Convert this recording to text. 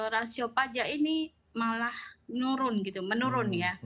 rasio pajak ini malah menurun